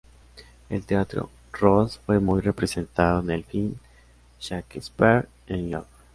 El Teatro Rose fue muy representado en el film "Shakespeare in Love".